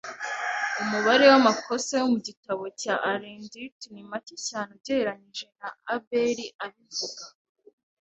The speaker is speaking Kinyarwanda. Umubare w'amakosa yo mu gitabo cya Arendt ni make cyane ugereranije na Abeli abivuga.